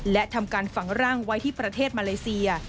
และทำการฝังร่างไว้ที่ประเทศมาเลเซีย